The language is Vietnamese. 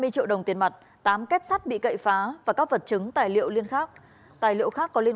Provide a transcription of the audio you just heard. hai mươi triệu đồng tiền mặt tám kết sắt bị cậy phá và các vật chứng tài liệu liên khác tài liệu khác có liên